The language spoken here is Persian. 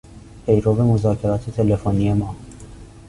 پیرو مذاکرات تلفنی ما